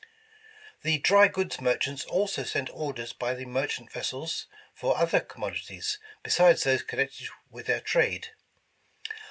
The dry goods merchants also sent orders by the mer chant vessels, for other commodities besides those con nected with their trade.